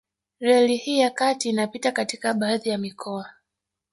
Reli hii ya kati inapita katika baadhi ya mikoa